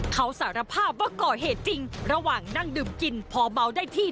เขาสารภาพว่าก่อเหตุจริงระหว่างนั่งดื่มกินพอเมาได้ที่